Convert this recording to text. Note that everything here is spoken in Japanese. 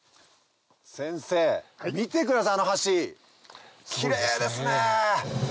先生見てくださいあの橋キレイですね。